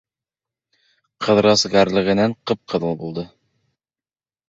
Ҡыҙырас ғәрлегенән ҡып-ҡыҙыл булды.